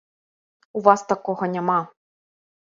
У вас такога няма.